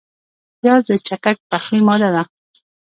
پیاز د چټک پخلي ماده ده